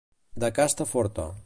De casta forta.